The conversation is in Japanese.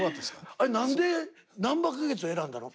あれ何でなんば花月を選んだの？